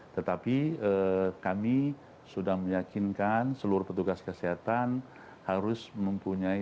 tetapi kami sudah meyakinkan seluruh petugas kesehatan harus mempunyai